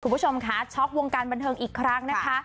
คุณผู้ชมค่ะช็อกวงการบันเทิงอีกครั้งนะคะ